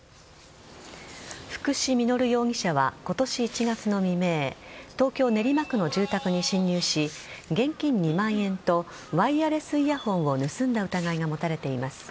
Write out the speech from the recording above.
福士稔容疑者は今年１月の未明東京・練馬区の住宅に侵入し現金２万円とワイヤレスイヤホンを盗んだ疑いが持たれています。